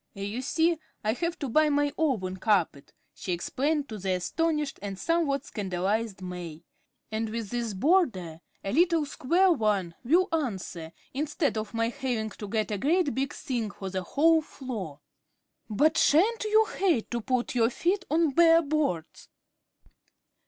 "You see I have to buy my own carpet," she explained to the astonished and somewhat scandalized May; "and with this border a little square one will answer, instead of my having to get a great big thing for the whole floor." "But sha'n't you hate to put your feet on bare boards?"